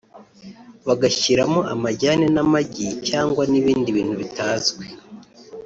bagashyiramo amajyane n’amagi cyangwa n’ibindi bintu bitazwi